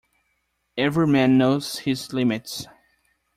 Every man knows his limits.